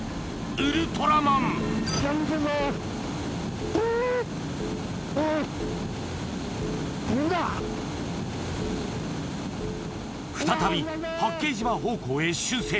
ウルトラマン再び八景島方向へ修正